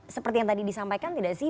seperti yang tadi disampaikan tidak sih